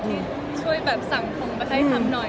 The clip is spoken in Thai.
ที่ช่วยแบบสั่งทงไปให้ทำหน่อย